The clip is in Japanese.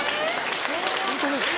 ホントですか？